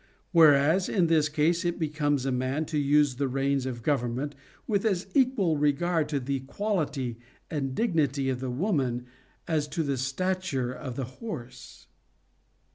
Whereas in this case it becomes a man to use the reins of government with as equal regard to the quality and dignity of the woman as to the stature of the horse.